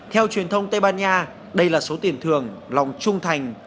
theo truyền thông tây ban nha đây là số tiền thường lòng trung thành